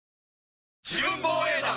自分防衛団！